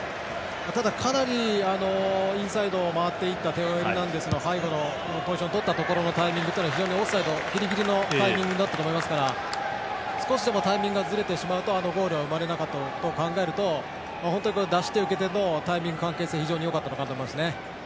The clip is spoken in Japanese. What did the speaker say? ただ、かなりインサイドを回っていったテオ・エルナンデスの背後のポジションをとったところのタイミングはオフサイドギリギリのタイミングだったと思いますから少しでもタイミングがずれてしまうと、あのゴールは生まれなかったと考えると出し手、受け手のタイミング、関係性が非常によかったのかなと思います。